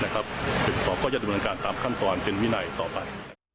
ติดต่อก็จะดำเนินการตามขั้นตอนเป็นวินัยต่อไป